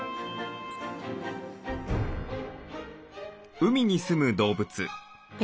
海にすむ動物。